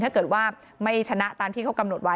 ถ้าเกิดว่าไม่ชนะตามที่เขากำหนดไว้